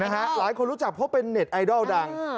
หลายคนรู้จักเพราะเป็นเน็ตไอดอลดัง